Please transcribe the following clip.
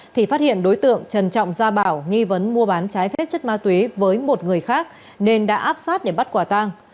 thì phát hiện đối tượng trần trọng gia bảo nghi vấn mua bán trái phép chất ma túy với một người khác nên đã áp sát để bắt quả tang